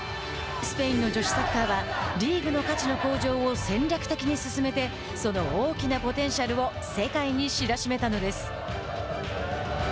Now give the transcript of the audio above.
スペインの女子サッカーはリーグの価値の向上を戦略的に進めてその大きなポテンシャルを世界に知らしめたのです。